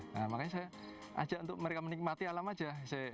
nah makanya saya ajak untuk mereka menikmati alam aja